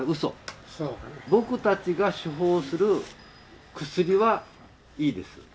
僕たちが処方する薬はいいです。